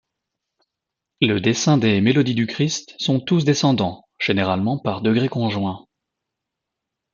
Le dessin des mélodies du Christ sont tous descendants, généralement par degrés conjoints.